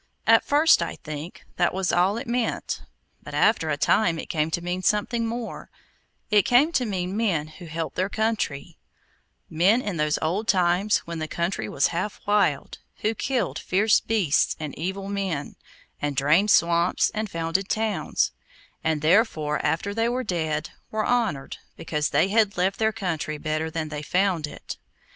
At first, I think, that was all it meant: but after a time it came to mean something more; it came to mean men who helped their country; men in those old times, when the country was half wild, who killed fierce beasts and evil men, and drained swamps, and founded towns, and therefore after they were dead, were honoured, because they had left their country better than they found it.